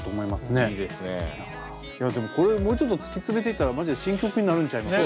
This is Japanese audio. いやでもこれもうちょっと突き詰めていったらマジで新曲になるんちゃいます？